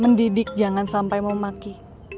mendidik jangan sampai memaki